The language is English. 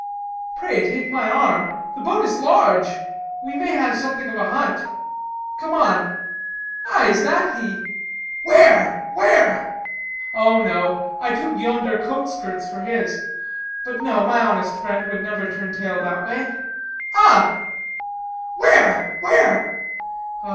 "Pray, take my arm! The boat is large! We may have something of a hunt! Come on! Ah, is that he?" "Where? where?" "O, no; I took yonder coat skirts for his. But no, my honest friend would never turn tail that way. Ah! " "Where? where?"